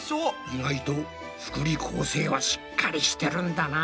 意外と福利厚生はしっかりしてるんだな。